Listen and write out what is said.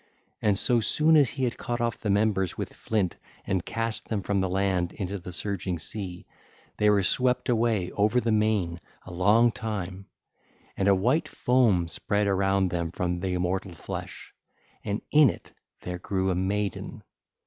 And so soon as he had cut off the members with flint and cast them from the land into the surging sea, they were swept away over the main a long time: and a white foam spread around them from the immortal flesh, and in it there grew a maiden.